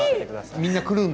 みんな来るんだ。